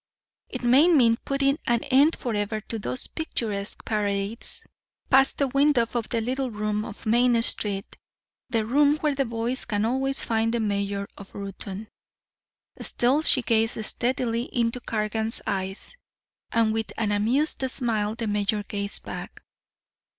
"It may mean putting an end forever to those picturesque parades past the window of the little room on Main Street the room where the boys can always find the mayor of Reuton." Still she gazed steadily into Cargan's eyes. And with an amused smile the mayor gazed back.